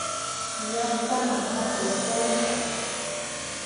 Llaqtaman apay kayta.